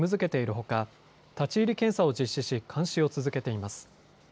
ほか立ち入り検査を実施し監視を続けています。